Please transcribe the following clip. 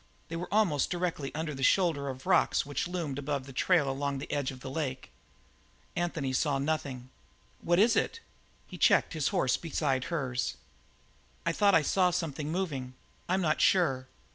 They were almost directly under the shoulder of rocks which loomed above the trail along the edge of the lake. Anthony saw nothing. "What was it?" He checked his horse beside hers. "I thought I saw something move. I'm not sure.